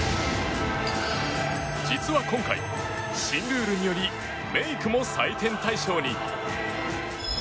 実は今回、新ルールによりメイクも採点対象に。